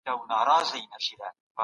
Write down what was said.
ايا ته کله په خيال کي غونډاري ولې؟